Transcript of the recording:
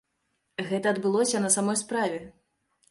Гэта адбылося на самой справе.